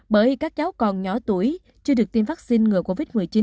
bởi các cháu còn nhỏ tuổi chưa được tiêm vaccine ngừa covid một mươi chín